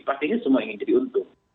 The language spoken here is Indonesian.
pastinya semua ingin jadi untung